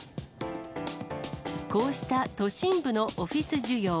こうした都心部のオフィス需要。